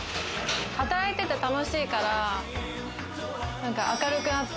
働いてて楽しいから、明るくなった、